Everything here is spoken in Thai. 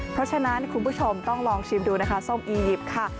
เพราะฉะนั้นคุณผู้ชมต้องลองชิมดูนะคะส้มอียิปต์ค่ะ